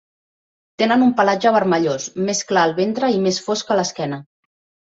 Tenen un pelatge vermellós, més clar al ventre i més fosc a l'esquena.